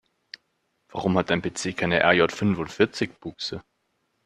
Warum hat dein PC keine RJ-fünfundvierzig-Buchse?